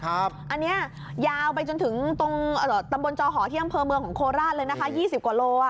อันนี้ยาวไปจนถึงตรงตำบลจอหอที่อำเภอเมืองของโคราชเลยนะคะ๒๐กว่าโล